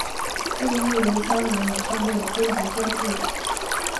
被誉为香港演唱会的金牌监制。